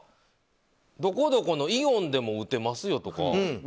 どこどこのイオンでも打てますよとか。